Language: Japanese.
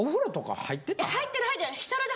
入ってる入ってる。